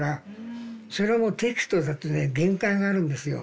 それはもうテキストだとね限界があるんですよ